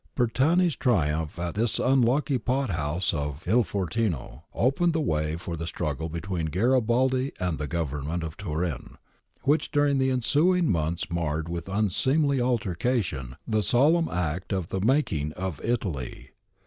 ^ Bertani's triumph at this unlucky pothouse of II Fortino opened the way for the struggle between Gari baldi and the Government of Turin, which during the ensuing months marred with unseemly altercation the solemn act of the Making of Italy.